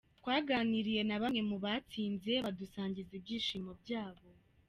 Twaganiriye na bambwe mubatsinze badusangiza ibyishimo byabo.